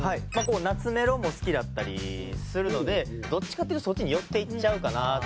懐メロも好きだったりするのでどっちかというとそっちに寄っていっちゃうかなっていう。